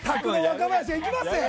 若林はいきますよ。